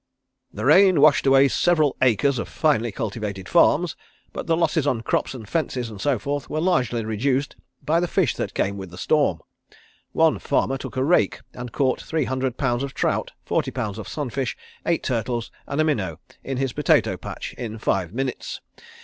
"The rain washed away several acres of finely cultivated farms, but the losses on crops and fences and so forth were largely reduced by the fish that came with the storm. One farmer took a rake and caught three hundred pounds of trout, forty pounds of sun fish, eight turtles, and a minnow in his potato patch in five minutes.